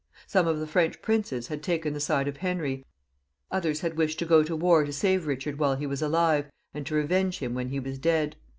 Some of the French princes had taken the side of Henry, others had wished to go to war to save Eichard while he was alive, and to revenge him when he was dead.